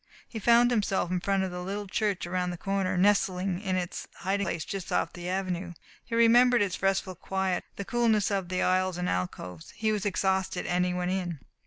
He found himself in front of The Little Church Around the Corner, nestling in its hiding place just off the Avenue. He remembered its restful quiet, the coolness of its aisles and alcoves. He was exhausted, and he went in.